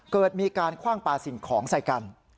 เกิดมีการคว่างปลาสิ่งของใส่กัน